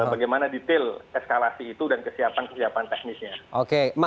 bagaimana detail eskalasi itu dan kesiapan kesiapan teknisnya